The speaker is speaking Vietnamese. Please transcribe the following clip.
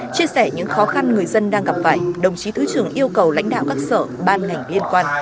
chia sẻ những khó khăn người dân đang gặp phải đồng chí thứ trưởng yêu cầu lãnh đạo các sở ban ngành liên quan